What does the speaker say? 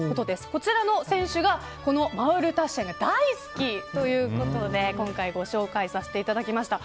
こちらの選手がマウルタッシェンが大好きということで今回ご紹介させていただきました。